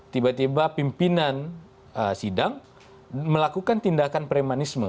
tiba tiba pimpinan sidang melakukan tindakan premanisme